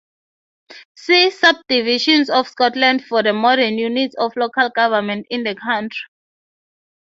See Subdivisions of Scotland for the modern units of local government in the country.